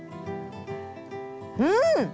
うん！